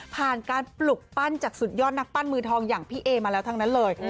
ผ่านการปลุกปั้นจากสุดยอดนักปั้นมือทองอย่างพี่เอมาแล้วทั้งนั้นเลย